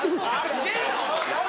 すげぇな！